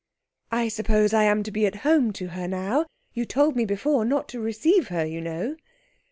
'I suppose I am to be at home to her now? You told me before not to receive her, you know.'